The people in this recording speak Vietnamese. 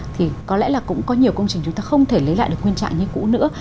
thì có lẽ là cũng có nhiều công trình chúng ta không thể lấy lại được nguyên trạng như cũ nữa